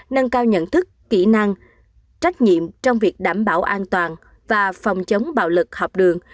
nâng cao nhận thức kỹ năng trách nhiệm trong việc đảm bảo an toàn và phòng chống bạo lực học đường